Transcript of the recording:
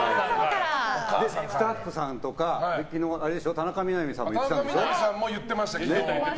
で、スタッフさんとか昨日田中みな実さんも言ってたでしょ。